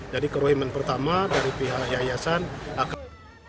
jadi kerohimen pertama dari pihak yayasan akan